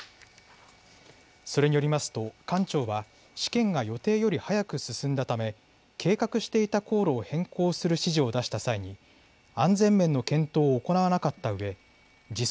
それによりますと艦長は試験が予定より早く進んだため計画していた航路を変更する指示を出した際に安全面の検討を行わなかったうえ時速